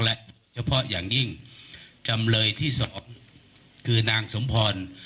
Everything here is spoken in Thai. และเฉพาะอย่างยิ่งจำเลยที่สองคือนางสมพร